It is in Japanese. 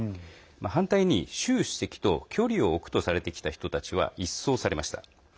反対に習主席と距離を置くとされてきた人たちは一掃されました。